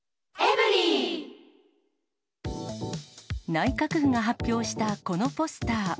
内閣府が発表したこのポスター。